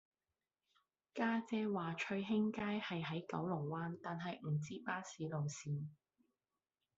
家姐話翠興街係喺九龍灣但係唔知巴士路線